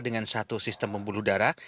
dengan satu sistem pembuluh darah